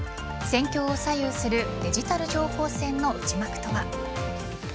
戦況を左右するデジタル情報戦の内幕とは。